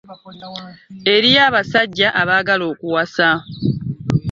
Eriyo abasajja abaagala okuwasa.